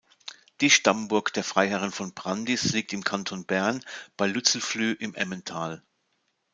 Die Stammburg der Freiherren von Brandis liegt im Kanton Bern, bei Lützelflüh im Emmental.